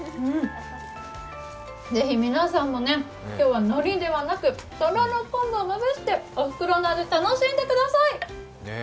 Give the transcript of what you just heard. ぜひ皆さんも、今日はのりではなくとろろ昆布をまぶしておふくろの味を楽しんでください。